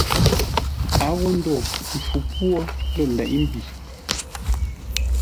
A wo ndo mpfu pwô lə̂ leʼé-mbi.